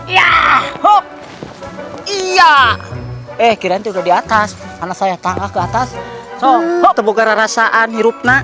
ya ih kirain sudah di atas anak saya tangga ke atas sop tebuk gara rasa anirupna